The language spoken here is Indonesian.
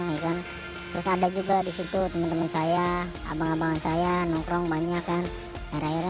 namun pengetahuan tersebut tidak menghalangi mereka untuk mencicipi narkoba